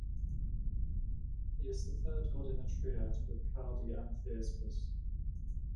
He is the third god in a triad with Khaldi and Theispas.